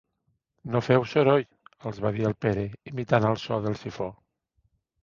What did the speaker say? No feu soroll —els va dir el Pere, imitant el so del sifó.